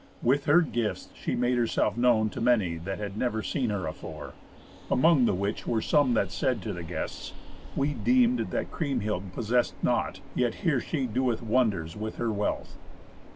With her gifts she made herself known to many that had never seen her afore, among the which were some that said to the guests, "We deemed that Kriemhild possessed naught. Yet here she doeth wonders with her wealth."